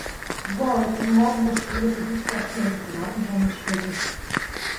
وای، اینقدر مشکله که هیچکس نمیتونه انجامش بده.